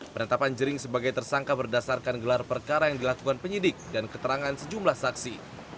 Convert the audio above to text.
penetapan jering sebagai tersangka berdasarkan gelar perkara yang dilakukan penyidik dan keterangan sejumlah saksi